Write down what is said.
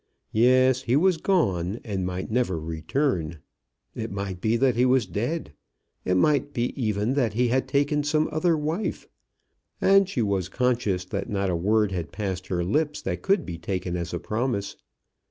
Yes; he was gone, and might never return. It might be that he was dead. It might be even that he had taken some other wife, and she was conscious that not a word had passed her lips that could be taken as a promise.